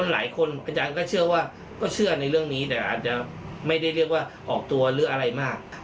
แล้วก็ออกตัวหรืออะไรมาก